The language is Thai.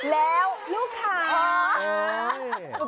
แล้วลูกขาย